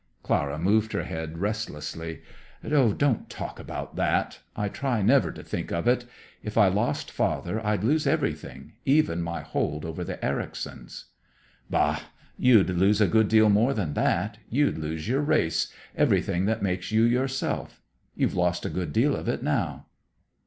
Clara moved her head restlessly. "Don't talk about that. I try never to think of it. If I lost father I'd lose everything, even my hold over the Ericsons." "Bah! You'd lose a good deal more than that. You'd lose your race, everything that makes you yourself. You've lost a good deal of it now."